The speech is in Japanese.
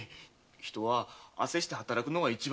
人は汗して働くのが一番だよ。